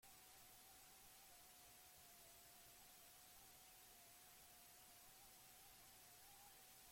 Bide bat topatu nuenean Windowsek Explorer babesteko zeukan sistema saihesteko.